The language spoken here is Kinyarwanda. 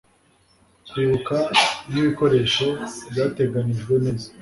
Kwibuka nkibikoresho byateganijwe neza